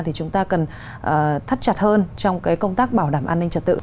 thì chúng ta cần thắt chặt hơn trong cái công tác bảo đảm an ninh trật tự